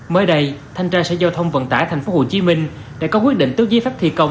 mới đây thanh tra sở giao thông vận tải tp hcm đã có quyết định tước giấy phép thi công